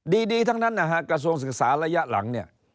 ดีทั้งนั้นนะฮะกระทรวงศึกษาระยะหลังเนี่ย